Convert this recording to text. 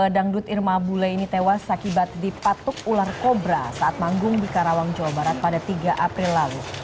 dangdut irma bule ini tewas akibat dipatuk ular kobra saat manggung di karawang jawa barat pada tiga april lalu